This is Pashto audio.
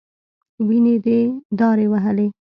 وينې دارې وهلې.